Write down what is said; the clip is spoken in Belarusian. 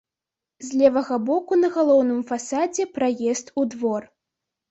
З левага боку на галоўным фасадзе праезд у двор.